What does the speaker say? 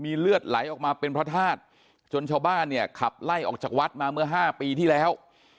เลือดไหลออกมาเป็นพระธาตุจนชาวบ้านเนี่ยขับไล่ออกจากวัดมาเมื่อ๕ปีที่แล้ว